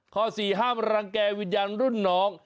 ข้อ๔ห้ามรังแก่วิญญาณรุ่นน้อง